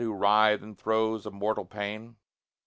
Who writhe in throes of mortal pain?